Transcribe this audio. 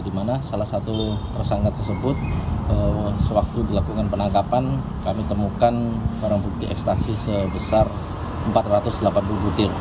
di mana salah satu tersangka tersebut sewaktu dilakukan penangkapan kami temukan barang bukti ekstasi sebesar empat ratus delapan puluh butir